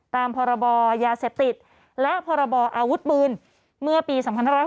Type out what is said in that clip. ตามพรบยาเสพติดและพรบออาวุธปืนเมื่อปี๒๕๕๙